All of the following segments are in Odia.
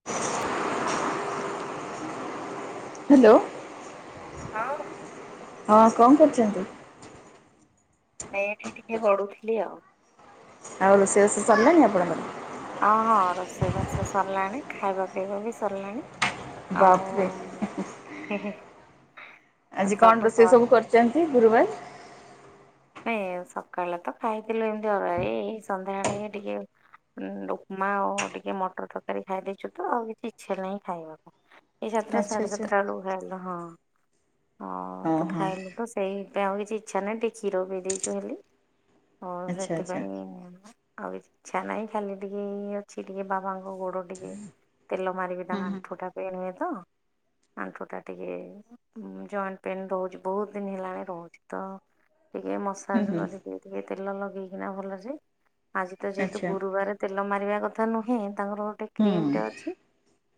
[inaudible] ହାଲୋ। ହାଲୋ। ହଁବା। ହଁ କଣ କରୁଚନ୍ତି? ନାଇଁ ଏଠି ଟିକେ ଗଢୁଥିଲି ଆଉ। ଆଉ ରୋଷେଇବାସ ସଲିଲାଣି ଆପଣଙ୍କର? ହଁ ରୋଷେଇ ବାସ ସରିଲାଣି ଖାଇବା ପିଇବା ବି ସରିଲାଣି। ବାପରେ ଆଉ ହେ ହେ। ଆଜି କଣ ରୋଷେଇ ସବୁ କରିଚନ୍ତି ଗୁରୁବାର? ନାଇ ସକାଳେ ତ ଖାଇଥିଲୁ ଏମିତି ଅରୁଆ ଏ ଏଇ ସନ୍ଧ୍ୟାବେଳେ ହିଁ ଟିକେ କୁମା ଆଉ ଟିକେ ମଟର ତରକାରୀ ଖାଇ ଦେଇଚୁ ତ ଆଉ କିଛି ଇଚ୍ଛା ନାହିଁ ଖାଇବାକୁ। ଏଇ ସାତଟା ଆଚ୍ଛା ସାଢେ ଆଚ୍ଛା ସାତଟା ବେଳକୁ ଖାଇଲୁ ହଁ ହଁ ତ ଖାଇଲୁ ତ। ସେଇପାଇଁ ଆଉ କିଛି ଇଚ୍ଛା ନାହିଁ ଟିକେ ଖିର ପି ଦେଇଛୁ ହେଲି ଆଉ ଆଚ୍ଛା ଆଚ୍ଛା ସେଥିପାଇଁ। ଆଉ କିଛି ଇଚ୍ଛା ନାହିଁ ଖାଲି ଟିକେ ଅଛି ଟିକେ ବାବାଙ୍କ ଗୋଡ ଟିକେ ତେଲ ମାରିକି ହୁଁ ତାଙ୍କ ହୁଁ ଆଣ୍ଠୁଟା ପେନେହୁଏ ତ। ଆଣ୍ଠୁଟା ଟିକେ ଜଏଣ୍ଟେ ପେନେ ରହୁଚି ବହୁତୁ ଦିନି ହେଲାଣି ରହୁଚି ତ। ଟିକେ ହୁଁ ମସାଜ ହୁଁ କରିଦିଏ ଟିକେ ତେଲ ଲଗେଇକିନା ଭଲସେ ଆଜି ତ ଯେହେତୁ ଆଚ୍ଛା ଗୁରୁବାରେ। ତେଲ ମାରିବା କଥା ନୁହେଁ ତାଙ୍କର ଗୋଟେ ହୁଁ କ୍ରିମ ଟେ ଅଛି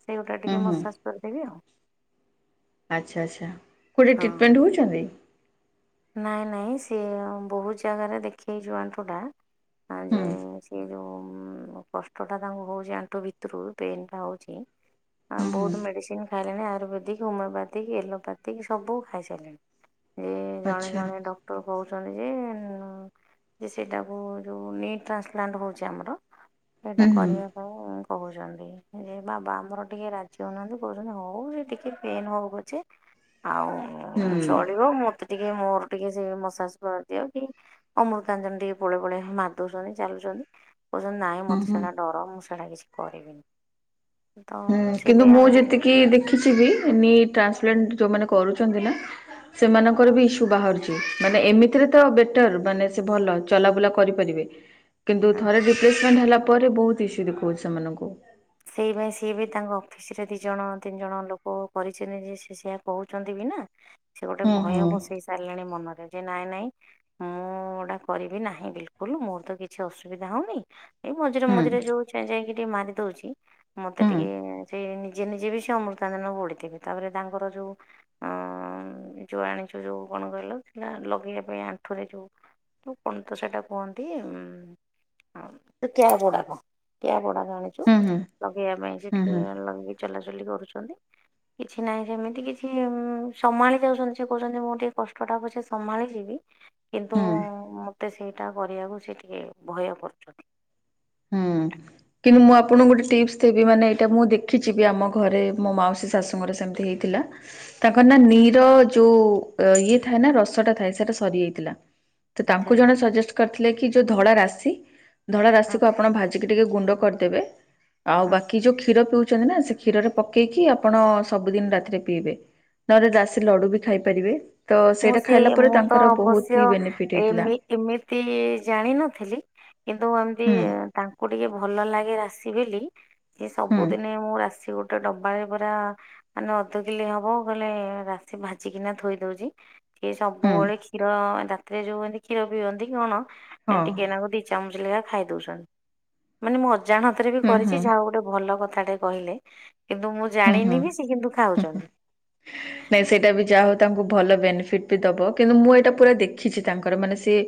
ସେଗୁଟା ହୁଁ ଟିକେ ହୁଁ ମସାଜ କରିଦେବି ଆଉ। ଆଚ୍ଛା ଆଚ୍ଛା କେଉଠି ଟ୍ରିଟିମେଣ୍ଟେ ହଁ ହୋଉଚନ୍ତି? ନାଇଁ ନାଇଁ ସିଏ ବୋହୁତ୍ ଜାଗାରେ ଦେଖେଇଚୁ ଆଣ୍ଠୁଟା। ହୁଁ ଆଯେ ହୁଁ ସେ ଯୋଉ କଷ୍ଟଟା ତାଙ୍କୁ ହୋଉଚି ଆଣ୍ଠୁ ଭିତୁରୁ ପେନ୍ ଟା ହୋଉଚି। ଆଉ ହୁଁ ବହୁତୁ ମେଡ଼ିସିନ ଖାଇଲେଣି ଆୟୁରୁବେଦିକି ହୋମିଓପାଥିକି ଏଲୋପାଥିକି ସବୁ ଖାଇସାରିଲେଣି। ଏ ଜଣେ ଆଚ୍ଛା ଜଣେ ଡକ୍ଟର କହୁଛନ୍ତି ଯେ ଯେ ସେଇଟାକୁ ଯୋଉ ନି ଟ୍ରାସପ୍ଲାଣ୍ଟ ହୋଉଚି ଆମର। ସେଇଟା ହୁଁ ହୁଁ କରିବା ପାଇଁ କୋହୁଚନ୍ତି ଯେ ବାବା ଆମର ଟିକେ ରାଜି ହୋଉନାହାନ୍ତି କହୁଛନ୍ତି ହୋଉ ସେ ଟି ଟିକେ ପେନ୍ ହୋଉପଛେ ଆଉ ହୁଁ ଚଳିବ ମ ଟିକେ ମୋର ଟିକେ ସେ ମସାଜ କରିଦିଅନ୍ତି। ଅମୃତାଞ୍ଚନ ଟିକେ ପୁଳେ ପୁଳେ ମାରିଦୋଉଚନ୍ତି ଚାଲୁଚନ୍ତି। କହୁଚନ୍ତି ନାହିଁ ହୁଁ ମତେ ହୁଁ ସେଇଟା ଡର ମୁଁ ସେଇଟା କିଛି କରିବିନି। ତ ହୁଁ କିନ୍ତୁ ସେଇଥିପାଇଁ ମୁଁ ଆମେ ଟିକେ ଯେତିକି ଦେଖିଛିି ବି ନି ଟ୍ରାନ୍ସଲେଣ୍ଟେ ଯୋଉମାନେ କରୁଛନ୍ତି ନା ସେମାନଙ୍କର ବି ଇସୁ ବାହାରୁଚି ମାନେ ଏମିତିରେ ତ ବେଟର୍ ମାନେ ସେ ଭଲ ଚଲାବୁଲା କରିପାରିବେ। କିନ୍ତୁ ହଁ ଥରେ ରିପ୍ରେସମେଣ୍ଟେ ହେଲା ପରେ ବହୁତୁ ଇସୁ ଦେଖଉଚି ସେମାନଙ୍କୁ। ସେଇ ଭାଇ ସିଏ ବି ତାଙ୍କ ଅଫିସି ରେ ଦି ଜଣ ତିନି ଜଣ ଲୋକ। କୋକରିଛନ୍ତି ଯେ ସିଏ ସେଆ କହୁଛନ୍ତି ବି ନା ସେ ଗୋଟେ ହୁଁ ହୁଁ। ଭୟ ବସେ। ସାରିଲାଣି ମନରେ ଯେ ନାଇଁ ନାଇଁ। ମୁଁ ଏଟା କରିବି ନାହିଁ ବିଲୁକୁଲୁ ମୋର ତ କିଛି ଅସୁବିଧା ହଉନେହିଁ। ଏଇ ମଝିରେ ହୁଁ ମଝିରେ ଯୋଉ ଛା ଯାଇକି ଟିକେ ମାରି ଦୋଉଚି ମତେ ହୁଁ ଟିକେ ସେଇ ନିଜେ ନିଯେ ବିି ସେ ଅମୃତାଞ୍ଜନ ବୋଳିଵେବି ତାପରେ ତାଙ୍କର ଯୋଉ ଅଁ ଯୋଉ ଆଣିଚୁ ଯୋଉ କଣ କହିଲ ଲଗେଇବା ପାଇଁ ଆଣ୍ଠୁରେ ଯୋଉ। ଯୋଉ କଣ ତ ସେଇଟା କୁହନ୍ତି? ଉଁ। ହଁ ଟ୍ୟାପ୍ ଗୁଡ଼ାକ ଟ୍ୟାପ୍ ଗୁଡାକ ଆଣିଚୁ। ହୁଁ ହୁଁ। ଲଗେଇବା ପାଇଁ ହୁଁ ସେଠି ହୁଁ ଲଗେଇକି ଚଲାଚଲି କରୁଛନ୍ତି। କିଛି ନାହିଁ ସେମିତି କିଛି ସମ୍ଭାଳି ଯାଉଛନ୍ତି ସେ କହୁଛନ୍ତି ମୁଁ ଟିକେ କଷ୍ଟଟା ପଛେ ସମ୍ଭାଳି ଯିବି କିନ୍ତୁ ହୁଁ। ମତେ ସେଇଟା କରିବାକୁ ସେ ଟିକେ ଭୟ କରୁଛନ୍ତି। ହୁଁ। କିନ୍ତୁ ମୁଁ ଆପଣଙ୍କୁ ଗୋଟେ ଟିପ୍ସ ଦେବି ମାନେ ଏଇଟା ମୁଁ ଦେଖିଛିି କି ଆମ ଘରେ ମୋ ମାଉସୀ ଶାଶୁଙ୍କର ସେମିତି ହେଇି ଥିଲା। ତାଙ୍କର ନା ନିର ଯୋଉ ଇଏ ଥାଏ ନା ରସଟା ଥାଏ ସେଇଟା ସରିଯାଇଥିଲା। ତ ଆଚ୍ଛା ତାଙ୍କୁ ଜଣେ ଆଚ୍ଛା ସଜେଷ୍ଟ କରିଥିଲେ କି ଯୋଉ ଧଳା ରାଶି ଧଳା ହଁ ରାଶି ଆପଣ ଭାଜିକି ଟିକେ ଗୁଣ୍ଡ କରିଦେବେ ଆଉ ହଁ। ବାକି ଯୋଉ କ୍ଷୀର ପିଉଛନ୍ତି ନା କ୍ଷୀରରେ ପକେଇକି ଆପଣ ସବୁଦିନ ରାତିରେ ପିଇବେ ନହେଲେ ରାଶୀ ଲଡୁ ବି ଖାଇପାରିବେ। ତ ମୁଁ ସେଇଟା ସେ ଖାଇଲା ପରେ ମୁଁ ତ ତାଙ୍କର ବହୁତ ଅବଶ୍ୟ ହି ବେନିଫିଟ୍ ହେଇଥିଲା। ଏମି ଏମିତି ଜାଣିନଥିଲି କିନ୍ତୁ କି ହୁଁ ତାଙ୍କୁ ଟିକେ ଭଲ ଲାଗେ ରାଶି ବୋଲି ସେ ହୁଁ ସବୁଦିନେ ମୁଁ ରାଶି ଗୋଟେ ଗୋଟେ ଡବାରେ ପୁରା ମାନେ ଅଧ କିଲୋ ହବ କହିଲେ ରାଶି ଭାଜିିକିନା ଥୋଇ ଦଉଛି। ଏ ହୁଁ ସବୁବେଳେ କ୍ଷୀର ଏଁ ରାତିରେ ଯୋଉ ଏନ୍ତି କ୍ଷୀର ପିଅନ୍ତି କଣ ଏ ହଁ ଟିକେନାଗୁରୁ ଦି ଚାମୁଚେ ଲେଖା ଖାଇଦଉଛନ୍ତି ମାନେ ମୁଁ ଅଜାଣତ ରେ ବି ହୁଁ କରିଛି ହୁଁ ଯା ହଉ ଗୋ ଗୋଟେ ଭଲ କଥାଟେ କହିଲେ କିନ୍ତୁ ମୁଁ ହୁଁ ହୁଁ। ଜାଣିନି କିଛି ସେ କିନ୍ତୁ ଖାଉଛନ୍ତି। ନାଇଁ ସେଇଟା ବି ଯାହା ହଉ ତାଙ୍କୁ ଭଲ ବେନିଫିଟ୍ ବି ଦେବ କିନ୍ତୁ ମୁଁ ଏଇଟା ପୁରା ଦେଖିଛି ତାଙ୍କର ମାନେ ସିଏ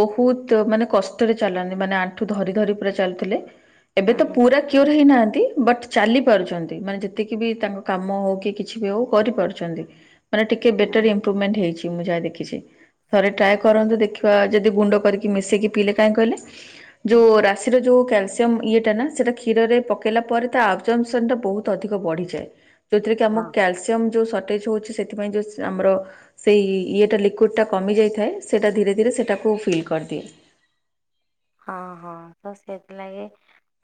ବହୁତ ମାନେ କଷ୍ଟରେ ଚାଲନ୍ତି ମାନେ ଆଣ୍ଠୁ ଧରି ଧରି ପୁରା ଚାଲୁଥିଲେ। ଏବେ ହୁଁ ତ ହୁଁ ପୁରା କିଓର ହେଇନାହାନ୍ତି ବଟ୍ ଚାଲି ପାରୁଛନ୍ତି ମାନେ ଯେତ ଯେତିକି ବି ତାଙ୍କ କାମ ହଉ କି କିଛି ବି ହଉ କରିପାରୁଛନ୍ତି ମାନେ ଟିକେ ହୁଁ ବେଟର ଇମ୍ପ୍ରୁଭମେଣ୍ଟ ହେଇଛି। କି ମୁଁ ଯାହା ଦେଖିଛି ଥରେ ଟ୍ରାଏ କରନ୍ତୁ ଦେଖିବା ଯଦି ଗୁଣ୍ଡ କରିକି ମିଶେଇକି ପିଇଲେ କାହିଁ କହିଲେ ହୁଁ ଯୋଉ ରାଶିର ଯୋଉ କ୍ୟାଲସି ଯମ୍ ଇଏଟା ନା ସେଟା କ୍ଷୀରରେ ପକେଇଲା ପରେ ତା ଆବଜମସନ୍ ଟା ବହୁତ ଅଧିକ ବଢିଯାଏ। ଯଉଥିରେ କି ଆମୁ ହଁ କ୍ୟାଲସିୟମ୍ ଯୋଉ ସର୍ଟେଜ୍ ହଉଛି ସେଥିପାଇଁ ଯୋଉ ସ ଆମର ସେଇ ଇଏଟା ଲିକୁଇଡଟା କମି ଯାଇଥାଏ ସେଟା ଧୀରେ ଧୀରେ ସେଟାକୁ ଫିଲ୍ କରଦିଏ। ହଁ ହଁ ତ ସେଥିଲାଗି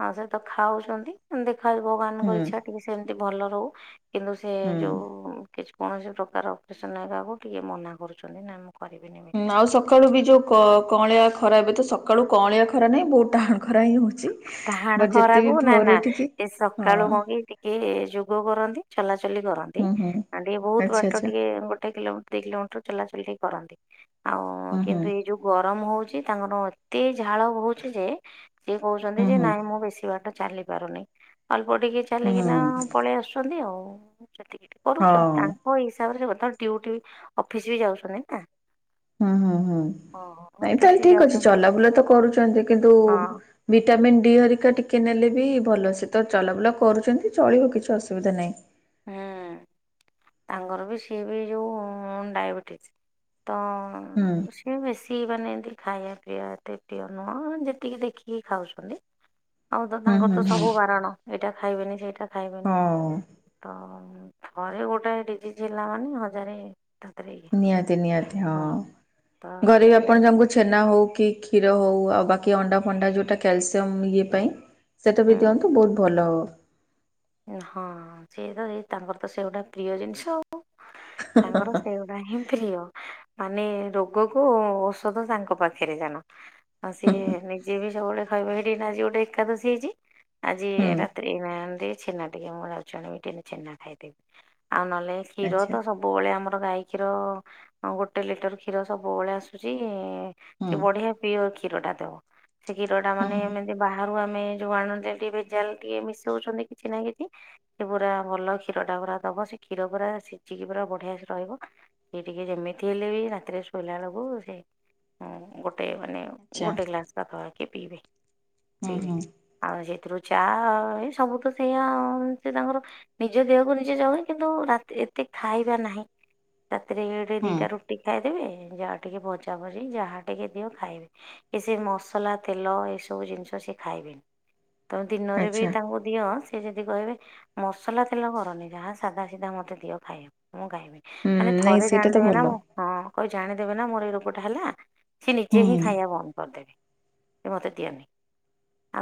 ଆଉ ସେ ତ ଖାଉଛନ୍ତି ଦେଖାଯାଉ ହୁଁ ଭଗବାନଙ୍କ ଇଛା ଟିକେ ସେମତି ଭଲ ରହୁ କିନ୍ତୁ ସେ ହୁଁ। ଯୋଉ କିଛି କୌଣସି ପ୍ରକାର ଅପ୍ରେସନ୍ ନେବାକୁ ଟିକେ ମନା କରୁଛନ୍ତି ନା ମୁ ହଁ ଆଉ ସକାଳୁ ବି ଯୋଉ କ କଅଁଳିଆ ଖରା ଏବେ ତ ସକାଳୁ କଅଁଳିଆ ଖରା ନାଇଁ ବହୁତ ଟାହାଣ ଖରା ହିଁ ହଉଛି। ଟାହାଣ ବଟ ଯେତେ ବି ଖରାକୁ ନା ଭୋରୁ ନା ଉଠିକି ଏ ହଁ ସକାଳୁ କଣ କି ଟିକେ ଯୋଗ କରନ୍ତି। ଚଲାଚଲି କରନ୍ତି ହୁଁ ହୁଁ ଆଁ ଟିକେ ବହୁତ ଆଚ୍ଛା ବାଟ ଆଚ୍ଛା ଟିକେ ଗୋଟେ କିଲୋମିଟ ଦୁଇ କିଲୋମିଟର ଚଲାଚଲିି କରନ୍ତି ଆଉ ହୁଁ ହୁଁ କିନ୍ତୁ ଏଇ ଯୋଉ ଗରମ ହଉଛି ତାଙ୍କର ଏତେ ଝାଳ ଭୋହୁଛି ଯେ ସିଏ କହୁଛନ୍ତି ହୁଁ ଯେ ନାଇଁ ହୁଁ ମୁଁ ବେଶୀ ବାଟ ଚାଲି ପାରୁନି ଅଳ୍ପ ଟିକେ ଚାଲିକିନା ହୁଁ ପଳେଇ ଆସୁଛନ୍ତି ଆଉ ସେତିକି ଟିକେ ହଁ କରୁଛନ୍ତି ତାଙ୍କ ହିସାବରେ ବର୍ତମାନ ଡ୍ୟୁଟି ବି ଅଫିସ୍ ବି ଯାଉଛନ୍ତି ନା। ହୁଁ ହୁଁ ହୁଁ ନାଇଁ ଅଫିସ ତାହେଲେ ବି ଠିକ ଅଛି ଯାଉଛନ୍ତି ଚଲାବୁଲା ତ କରୁଛନ୍ତି କିନ୍ତୁ ହଁ ଭିଟାମିନ୍ ଡି ହରିକା ଟିକେ ନେଲେ ବି ଭଲ ସେ ତ ଚଲାବୁଲା କରୁଛନ୍ତି ଚଳିବ କିଛି ଅସୁବିଧା ନାହିଁ। ହୁଁ। ତାଙ୍କର ବି ସିଏ ବି ଯୋଉ ଡାଇବେଟିସ୍ ତ ହଁ। ସିଏ ବେଶୀ ମାନେ ଏନ୍ତି ଖାଇଆ ପିଇବା ଏତେ ପ୍ରିୟ ନୁହଁ ଯେତିକି ଦେଖିକି ଖାଉଛନ୍ତି। ଆଉ ତ ହୁଁ ତାଙ୍କର ହୁଁ ତ ହୁଁ ସବୁ ବାରଣ ଏଇଟା ଖାଇବେନି ସେଇଟା ଖାଇବେନି। ହଉ ତ ଥରେ ଗୋଟେ ଡିଜିଜି ହେଲା ମାନେ ହଜାରେ ତା ଦେହରେ ଇଏ ନିହାତି, ନିହାତି ହଁ ତ ଘରେ ବି ଆପଣ ସେଥିଲାଗି ଜଙ୍କୁ ଛେନା ହଉ କି କ୍ଷୀର ହଉ ଆଉ ବାକି ଅଣ୍ଡା ଫଣ୍ଡା ଯୋଉଟା କ୍ୟାଲସିୟମ୍ ଇଏ ପାଇଁ ସେଟା ବି ଦିଅନ୍ତୁ ବହୁତ ଭଲ ହବ। ହଁ ସିଏ ତ ଏଇ ତାଙ୍କର ତ ସେଇ ଗୁଟା ପ୍ରିୟ ଜିନଷ ଆ ଉ ତାଙ୍କର ସେଇ ଗୁଟା ହିଁ ପ୍ରିୟ ମାନେ ରୋଗକୁ ଓଷଧ ତାଙ୍କ ପାଖରେ ଜାଣ ହଁ ସିଏ ନିଜେ ବି ସବୁବେଳେ ଖାଇବା ହେଇଠି ଆଜି ଗୋଟେ ଏକାଦଶୀ ହେଇଛି ଆଜି ହୁଁ ରାତି କେହିନାହାନ୍ତି ଛେନା ଟିକେ ମୁଁ ଯାଉଛି ଛେନା ଖାଇଦେବି ଆଉ ନହଲେ କ୍ଷୀର ଆଚ୍ଛା ତ ସବୁ ସବୁବେଳେ ଆମର ଗାଈ କ୍ଷୀର ଅ ଗୋଟେ ଲିଟର କ୍ଷୀର ସବୁବେଳେ ଆସୁଛି ହୁଁ ସେ ବଢିଆ ପିଓର କ୍ଷୀରଟା ଦବ। ସେ କ୍ଷୀରଟା ହୁଁ ମାନେ ହୁଁ ମ ଏ ବାହାରୁ ଆମେ ଯୋଉ ଆଣୁଚେ ଟିକେ ଭେଜାଲ ଟିକେ ମିଶଉଛନ୍ତି କିଛି ନା କିଛି ସେ ପୁରା ଭଲ କ୍ଷୀରଟା ପୁରା ଦବ ସେ କ୍ଷୀର ପୁରା ସିଝିକି ପୁରା ବଢିଆ ସେ ରହିବ ଇଏ ଟିକେ ଯେମିତି ହେଲେ ବି ରାତିରେ ଶୋଇଲା ବେଳକୁ ସେ ଗୋଟେ ମାନେ ଆଚ୍ଛା ଗୋଟେ ଗ୍ଲାସ ପାଖାପାଖୀ ପିଇବେ ହୁଁ ପିଇବେ ହୁଁ ଆଉ ସେଥିରୁ ଚା ହୁଏ ସବୁ ତ ସେଇଆ ସେ ତାଙ୍କର ନିଜ ଦେହକୁ ନିଜେ ଜଗନ୍ତି କିନ୍ତୁ ରାତି ଏତେ ଖାଇବା ନାହିଁ ରାତିରେ ଗୋଟେ ହୁଁ ଦିଟା ରୁ ଟି ଖାଇଦେବେ ଯାହା ଟିକେ ଭଜା ଭଜି ଯାହା ଟିକେ ଦିଅ ଖାଇବେ କି ସେ ମସଲା ତେଲ ଏ ସବୁ ଜିନଷ ସିଏ ଖାଇବେନି। ତମେ ଦିନରେ ବି ଆଚ୍ଛା ତାଙ୍କୁ ଦିଅ ସେ ଯଦି କହିବେ ମସଲା ତେଲ କରନି ଯାହା ସାଧା ସିଧା ମତେ ଦିଅ ଖାଇବାକୁ ମୁଁ ଖାଇବିନି। ହୁଁ ଆରେ ନାଇଁ ଥରେ ସେଇଟା ତ ଜାଣିଦିଏ ନା ଭଲ ମୁଁ। ହଁ କଉ ଜାଣିଦେବେ ନା ମୋର ଏଇ ରୋଗଟା ହେଲା ସି ନିଜେ ହୁଁ ହିଁ ଖାଇବା ବନ୍ଦ କରିଦେବେ। ଏ ମତେ ଦିଅନି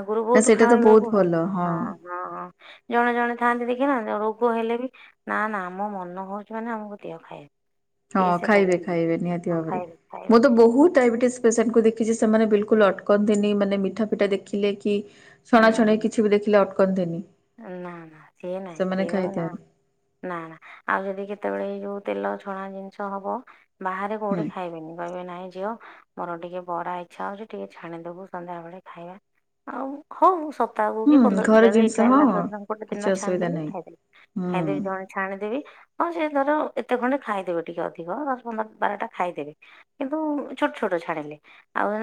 ଆଗରୁ ନା ବହୁତ ସେଇଟା ତ ବହୁତ ଖାଇଇବାକୁ ହ ଭଲ ହଁ ହଁ। ହଁ ଜଣେ ଜଣେ ଥାଆନ୍ତି ଦେଖିନ ରୋଗ ହେଲେ ବି ନା ନା ଆମ ମନ ହଉଛି ମାନେ ଆମକୁ ଦିଅ ଖାଇବୁ। ହଁ ଖାଇବେ ଖାଇବେ ନିହାତି ଭାବରେ ଖାଇବେ ମୁଁ ଖାଇବେ ତ ବହୁତ ଡାଇବେଟିସ୍ ପେସେଣ୍ଟକୁ ଦେଖିଛି ସେମାନେ ବିଲକୁଲ୍ ଅଟକନ୍ତିନି ମାନେ ମିଠା ଫିଠା ଦେଖିଲେ କି ହୁଁ ଛଣାଛଣି କିଛି ବି ଦେଖିଲେ ଅଟକନ୍ତିନି। ନା ନା ସେ ନାହିଁ ସେ ସେମାନେ କହିବେ ନା ଖାଇଥାନ୍ତି। ନା ନା ଆମେ ବି କେତେବେଳେ ଏଇ ଯୋଉ ତେଲ ଛଣା ଜିନିଷ ହବ ବାହାରେ ହୁଁ କୋଉଠି ଖାଇବେନି। କହିବେ ନାଇଁ ଝିଅ ମୋର ଟିକେ ବରା ଇଚ୍ଛା ହଉଛି ଟିକେ ଛାଣିଦବୁ ସନ୍ଧ୍ୟାବେେଳେ ଖାଇବା। ଆଉ ହଁ ମୁଁ ସପ୍ତାହକୁ କି ହୁଁ ପନ୍ଦର ଘର ଦିନ ଜିନିଷ ହେଲା ହଁ ଦନ ଗୋଟେ କିଛି ଦିନ ଅସୁବିଧା ଛାଣିଦେଲି ନାହିଁ। ଖାଇଦେଲି, ହୁଁ ଖାଇଦେଲି ଜଣ ଛାଣିଦେବି ହଉ ସେ ଧର ଏତେ ଖଣ୍ଡେ ଖାଇଦେବେ ଟିକେ ଅଧିକ ଦଶ, ପନ୍ଦର, ବାରଟା ଖାଇଦେବେ କିନ୍ତୁ ଛୋଟ ଛୋଟ ଛାଣିଲେ ଆଉ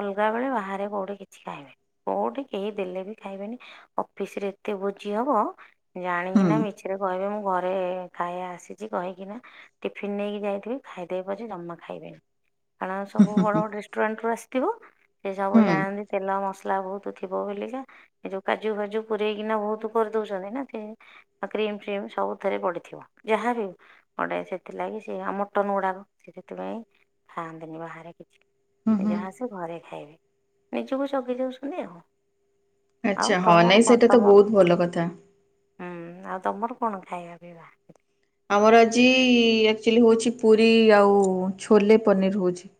ଅଲଗା ବେଳେ ବାହାରେ କୋଉଠି କିଛି ଖାଇବେନି। କୋଉଠି କେହି ଦେଲେ ବି ଖାଇବେନି ଅଫିସ ରେ ଏତେ ଭୋଜି ହବ ଜାଣିକି ହୁଁ ନା ମିଛରେ କହିବେ ମୁଁ ଘରେ ଖାଇବା ଆସିଛି କହିକିନା ଟିଫିିନ ନେଇକି ଯାଇଥିବି ଖାଇଦେବେ ପଛେ ଜମା ଖାଇବେନି। କାରଣ ହୁଁ ସବୁ ହୁଁ ହୁଁ ବଡ ରେଷ୍ଟୁରାଣ୍ଟରୁୁ ଆସିଥିବୁ ସେ ସବୁ ହୁଁ ଜାଣନ୍ତି ତେଲ ମସଲା ବହୁତ ଥିବ ବୋଲିକା ଏ ଯୋଉ କ କାଜୁ ଫାଜୁ ପୁରରେଇକିନା ବହୁତ କରିଦଉଛନ୍ତି ନା ଆ କ୍ରିମ ଫ୍ରିମ ସବୁଥିରେ ପଡିଥିବ ଯାହା ବିି ହଉ। ପଡ଼େ ସେଥିଲାଗି ସେଏ ଆଉ ମଟନ ଗୁଡାକ ସେ ସେଥିପାଇଁ ଖାଆନ୍ତିନି ବାହାରେ ହୁଁ କିଛି। ହୁଁ। ଯାହା ସେ ଘରେ ଖାଇବେ ନିଜକୁ ଜଗି ଯାଉଛନ୍ତି ଆଉ। ଆଉ ଆଚ୍ଛା, ହଁ ତମର ନାଇଁ କ'ଣ ସେଇଟା ତ ତମର ବହୁତ ଭଲ କଥା। ହୁଁ, ଆଉ ତମର କଣ ଖାଇବା ପିଇବା? ଆମର ଆଜି ଆକ୍ଚୁଆଲି ହଉଛି ପୁରୀ ଆଉ ଛୋଲେ ପନିର ହଉଛି।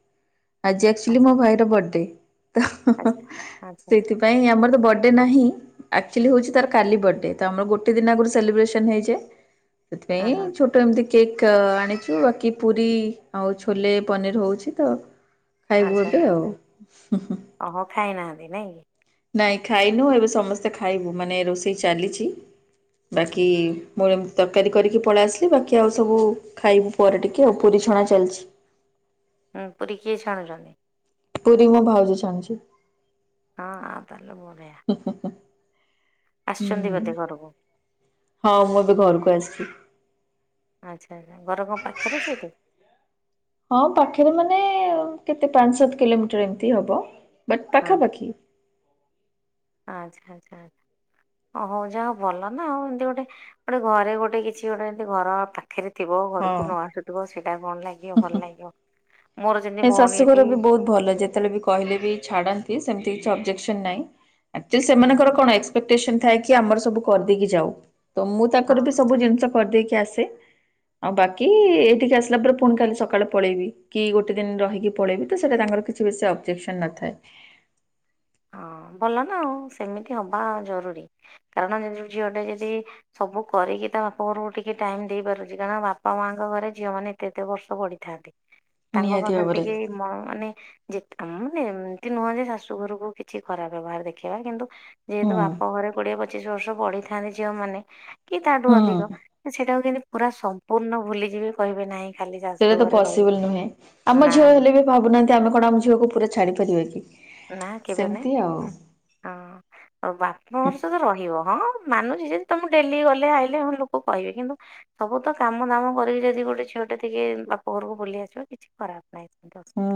ଆଜି ଆକ୍ଚୁଆଲି ଆଚ୍ଛା ମୋ ଭାଇର ବଡେ ତ ଆଚ୍ଛା ଆଚ୍ଛା ସେଥିପାଇଁ ନାଇଁ ଆମର ତ ବର୍ଡେ ନାହିଁ ଆକ୍ଚୁଆଲି ହଁ ହଉଛି ତାର କାଲି ବର୍ଡେ। ଆମର ଗୋଟେ ଦିନ ଆଗରୁ ସେଲିବ୍ରେସନ ହେଇଛେ ହଁ ସେଥିପାଇଁ ହଁ ଛୁ ଏମତି କେକ୍ ଆଣିଛୁ ବାକି ପୁରୀ ଆଉ ଛୋଲେ ପନିର ହଉଛି ତ ଖାଇବୁ ଆଚ୍ଛା ଆଚ୍ଛା [unintelligible] ଆଉ। ଓହୋ ଖାଇନାହାନ୍ତି ନାଇଁ କି? ନାଇଁ ଖାଇନୁ ଏବେ ସମସ୍ତେ ଖାଇବୁ ମାନେ ରୋଷେଇ ଚାଲିଛି ବାକି ମୁଁ ଏମିତି ତରକାରୀ କରିକି ପଳେଇ ଆସିଲି ବାକି ଆଉ ସବୁ ଖାଇବୁ ପରେ ଟିକେ ଆଉ ପୁରୀ ଛଣା ଚାଲିଛି। ହୁଁ, ପୁରୀ କିଏ ଛାଣୁଛନ୍ତି। ପୁରୀ ମୋ ଭାଉଜ ଛାଣୁଚି। ହଁ ଆ ତା ହେଲେ ବଢିଆ। [unintelligible] ହୁଁ ଆସିଛନ୍ତି ବୋଧେ ଘରକୁ। ହଁ ମୁଁ ଏବେ ଘରକୁ ଆସିଛି। ଆଚ୍ଛା ଆଚ୍ଛା ଘର କଣ ପାଖରେ ସେଇଠି? ହଁ, ପାଖରେ ମାନେ କେତେ ପାଞ୍ଚ, ସାତ କିଲୋମିଟର ଏମିତି ହବ ବଟ୍ ହଁ ପାଖାପାଖି। ଆଚ୍ଛା ଆଚ୍ଛା ଆଚ୍ଛା। ଓ ହଉ ଯାହା ଭଲ ନା ଆଉ ଏମିତି ଗୋଟେ ଗୋଟେ ଘରେ ଗୋଟେ କିଛି ଗୋଟେ ଏମିତି ଘର ପାଖିରେ ଥିବ ହଁ। ଘରକୁ ନ ଆସୁଥିବ ସେଇଟା କଣ ଲାଗିବ ଭଲ ଲାଗିବ। ମୋର ଯେମିତି ନାଇଁ ଭଉଣୀ ଶାଶୁଘର ଏଠି ବି ବହୁତ ଭଲ ଯେତେବେଳେ ବି କହିଲେ ବି ଛାଡନ୍ତି ସେମିତି କିଛି ଅବଜେସ୍କନ୍ ନାହିଁ ଆକଚୋଲି ହୁଁ ସେମାନଙ୍କ ର କଣ କୋଟେଶନ ଥାଏ କି ଆମର ସବୁ କରି ଦେଇକି ଯାଉ ତ ମୁ ହଁ ତାଙ୍କର ବି ସବୁ ଜିନିଷ କରିଦେଇକି ଆସେ ଆଉ ବାକି ଏଇଠିକି ଆସିଲା ପରେ ପୁଣି କାଲି ସକାଳେ ପଳେଇବି କି ଗୋଟେ ଗୋଟେ ଦିନ ରହିକି ପଳେଇବି ତ ସେଟା ତାଙ୍କର କିଛି ବେଶୀ ଅବଜେକ୍ସନ ନଥାଏ। ହଁ ଭଲ ନା ଆଉ ସେମିତି ହବା ଜରୁରୀ କାରଣ ଜିଏ ଝିଅ ଟେ ଯଦି ସବୁ କରିକି ତା ବାପା ଘରକୁ ଟିକେ ଟାଇମ ଦେଇ ପାରୁଛି କାରଣ ବାପା ମା ଙ୍କ ଘରେ ଝିଅ ମାନେ ଏତେ ଏତେ ବର୍ଷ ବଢିଥାନ୍ତି। ତାଙ୍କ ନିହାତି ପାଖରେ ଭାବରେ ଟିକେ ମ ମାନେ ଯେ ମାନେ ଏମତି ନୁହଁ ଯେ ଶାଶୁ ଘରକୁ କିଛି ଖରାପ ବ୍ୟବହାର ଦେଖେଇିବା କିନ୍ତୁ ଯେହେତୁ ହୁଁ ବାପ ଘରେ କୁଡିଏ ପଚ ପଚିଶ ବର୍ଷ ବଢିଥାନ୍ତି ଝିଅ ମାନେ କି ତାଠୁ ହୁଁ। ଅଧିକ। ସେଇଟାକୁ କେମିତି ପୁରା ସମ୍ପୂର୍ଣ୍ଣ ଭୁଲିଯିବେ କହିବେ ନାହିଁ। ଖାଲି ସେଇଟା ଶାଶୁ ତ ଘରେ ରହିବେ ପସିବୁଲ ନୁହେଁ ଆମ ନା ଝିଅ ନା ହେଲେ ବି ଭାବୁନାହାନ୍ତି ଆମେ କଣ ଆମ ଝିଅକୁ ପୁରା ଛାଡି ପାରିବା କି? ନା କେବେ ନାଇଁ, ସେମିତି ଆଉ ହଁ। ଆଉ ବାପା ହୁଁ ଘର ସହିତ ରହିବ ହଁ ମାନୁଛି ଯଦି ତମ ଡେଲି ଗଲେ ଆଇଲେ ହ ଲୋକ କହିବେ କିନ୍ତୁ ସବୁ ତ କାମ ଦାମ କରିକି ଯଦି ଗୋଟେ ଝିଅଟେ ଟିକେ ବାପ ଘରକୁ ବୁଲି ଆସିବ କିଛି ଖରାପ ନାହିଁ ସେମିତି ଅସୁବିଧା ହୁଁ,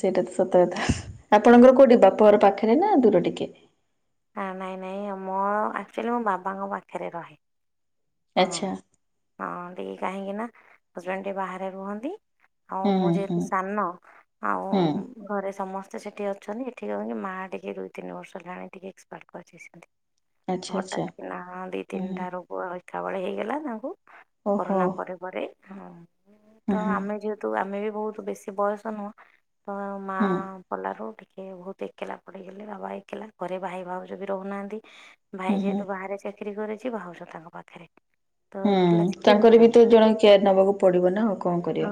ସେଇଟା ତ ସତ କଥା ଆପଣଙ୍କର କୋଉଠି ବାପା ଘର ପାଖରେ ନା ଦୂର ଟିକେ? ହ ନାଇଁ ନାଇଁ ମୋ ଆକ୍ଚୁଆଲି ମୋ ବାବାଙ୍କ ପାଖରେ ରହେ। ହଁ ଆଚ୍ଛା ହଁ ଟିକେ କାହିଁକି ନା ହଜବେଣ୍ଡ ଟିକେ ବାହାରେ ରୁହନ୍ତି। ଆଉ ହୁଁ ମୁଁ ହୁଁ ଯେହେତୁ ସାନ ଆଉ ହୁଁ ଘରେ ସମସ୍ତେ ସେଠି ଅଛନ୍ତି ଏଠି କଣ କି ମା ଟିକେ ରୁହେ ତିନି ବର୍ଷ ଗାଁ ରେ ଟିକେ। [unintelligible] ଆଚ୍ଛା ଆଚ୍ଛା ନାହାନ୍ତି ହୁଁ ତିନ ହୁଁ। ଟା ରୁ। [unintelligible] ହେଇଗଲା ତାଙ୍କୁ ଓହୋ କରୋନା ପରେ ପରେ ତ ହୁଁ ହୁଁ ଆମେ ଯ କିନ୍ତୁ ଆମେ ବି ବହୁତ ବେଶୀ ବୟସ ନୁହଁ ତ ମା ହୁଁ। ଗଲା ର ଟିକେ ବହୁତ୍ ଏକଲା ପଡ଼ିଗଲି ବାବା ଏକଲା ଘରେ ଭାଇ ଭାଉଜ ବି ରହୁନାହାନ୍ତି। ହୁଁ ଭାଇ ହୁଁ ଯେହେତୁ ବାହାରେ ଚାକିରି କରିଛି ଭାଉଜ ତାଙ୍କ ପାଖରେ ତ ହୁଁ ଏକେଲା ସେ କେମିତି ତାଙ୍କର ବି ତ ରହିବେ ଜଣେ କେୟାର ନେବାକୁ ପଡିବ ନା ଆଉ କଣ କରିବା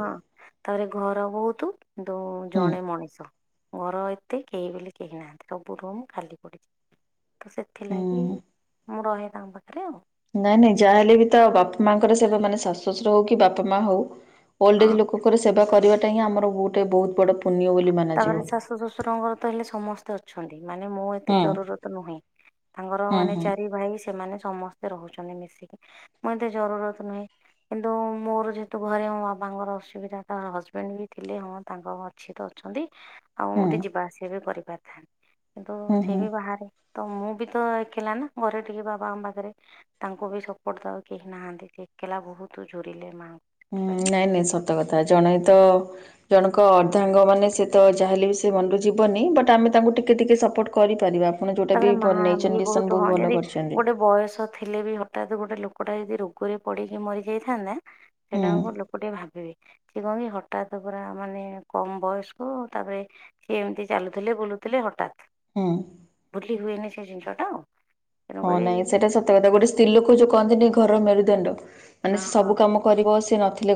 ଥରେ ଘରେ ବହୁତ୍ କିନ୍ତୁ ହୁଁ ଜଣେ ମଣିଷ ଘର ଏତେ କେହି ବୋଲି କେହି ନାହାନ୍ତି ସବୁ ରୁମ୍ ଖାଲି ପଡ଼ିଛି ତ ସେଥିଲାଗି ହୁଁ। ମୁଁ ରହେ ତାଙ୍କ ପାଖରେ ଆଉ। ନାଇଁ ନାଇଁ ଯାହା ହେଲେ ବି ତ ବାପା ମାଙ୍କର ସେବା ମାନେ ଶାଶୁ ଶ୍ୱଶୁର ହଉ କି ବାପା ମା ହଉ ଓଲ୍ଡ ଏଜ୍ ହଁ ଲୋକ କୁ କକୁର ସେବା କରିବାଟା ହିଁ ଆମର ଗୋଟେ ବହୁତ ବଡ଼ ଉ ତାପରେ ଶାଶୁ ଶ୍ୱଶୁରଙ୍କର ତ ହେଲେ ସମସ୍ତେ ଅ ଅଛନ୍ତି ମାନେ ମୁଁ ଏତେ ହୁଁ ଜରୁରତ ନୁହେଁ ତାଙ୍କର ହୁଁ ମାନେ ହୁଁ ଚାରି ଭାଇ ସେମାନେ ସମସ୍ତ ରହୁଛନ୍ତି ମିଶିକି ମୁଁ ଏତେ ଜରୁରତ ନୁହେଁ। କିନ୍ତୁ ମୋର ଯେହେତୁ ଘରେ ମୋ ବାବାଙ୍କର ଅସୁବିଧା ହଜବେଣ୍ଡ ବି ଥିଲେ ହଁ ତାଙ୍କ ଘରେ ଛି ତ ଅଛନ୍ତି ଆଉ ହୁଁ ମୁଁ ଟିକେ ଯିବା ଆସିବା ବି କରିପାରିଥାନ୍ତି। କିନ୍ତୁ ହୁଁ ସିଏ ହୁଁ ବି ବାହାରେ ତ ମୁଁ ବି ତ ଏକ୍ଲା ନା ଘରେ ଟିକେ ବାବାଙ୍କ ପାଖରେ ତାଙ୍କୁ ବି ସପୋର୍ଟ ଦଉ କେହି ନାହାନ୍ତି ଏକ୍ଲା ବହୁତ୍ ଝୁରିଲେ ମାଆଙ୍କୁ ହୁଁ ସେଥିପାଇଁ ନାଇଁ ନାଇଁ ସତ କଥା ଜଣେ ତ ଜଣଙ୍କ ଅର୍ଦ୍ଧାଙ୍ଗ ମାନେ ସେ ତ ଯାହାେଲେ ବି ସେ ମନରୁ ଯିବନି ବଟ୍ ଆମେ ତାଙ୍କୁ ଟିକେ ଟିକେ ସପୋର୍ଟ କରିପାରିବା। ଆପଣ ଯୋଉଟା ବି ତାପରେ ମା ଭଲ ବି ନେଇଛନ୍ତି ଡିସିସନ୍ ବହୁତ୍ ବହୁତ ହୁନ୍ତି ଭଲ ଯଦି କରିଛନ୍ତି ଗୋଟେ ବୟସ ଥିଲେ ବି ହଠାତ୍ ଗୋଟେ ଲୋକଟା ଯଦି ରୋଗରେ ପଡିକି ମରି ଯାଇଥାନ୍ତା ହୁଁ ସେଟା ଗୋଟେ ଭାବିବେ ସେ କଣ କି ହଠାତ୍ ପୁରା ମାନେ କମ୍ ବୟସ ତାପରେ ସିଏ ଏମିତି ଚାଲୁଥିଲେ ବୁଲୁଥିଲେ ହଠାତ୍ ହୁଁ। ଭୁଲି ହୁଏନି ସେ ଜିନିଷଟା ଆଉ ହଁ ତେଣୁକରି ନାଇଁ ସେଇଟା ସତ କଥା ଗୋଟେ ସ୍ତ୍ରୀ ଲୋକ ଯୋଉ କହନ୍ତିନି ଘର ମେରୁଦଣ୍ଡ ମାନେ ହଁ ସେ ହଁ ସବୁ କାମ କରିବ ସେ ନଥିଲେ